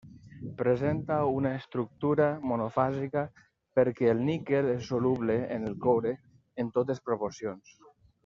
Presenta una estructura monofàsica perquè el níquel és soluble en el coure en totes proporcions.